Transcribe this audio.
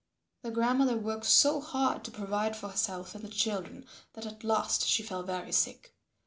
Their grandmother worked so hard to provide for herself and the children that at last she fell very sick.